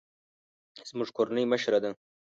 زموږ کورنۍ مشره ده